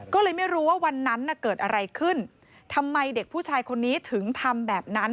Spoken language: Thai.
ก็เลยไม่รู้ว่าวันนั้นน่ะเกิดอะไรขึ้นทำไมเด็กผู้ชายคนนี้ถึงทำแบบนั้น